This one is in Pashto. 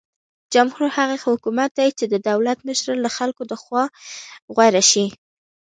جمهور هغه حکومت دی چې د دولت مشره د خلکو لخوا غوره شي.